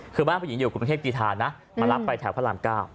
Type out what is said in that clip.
คือบ้านผู้หญิงอยู่กรุงเทพกีธานะมารับไปแถวพระราม๙